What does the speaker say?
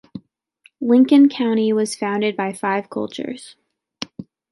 Lincoln county was founded by five cultures.